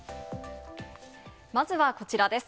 まずはこちらです。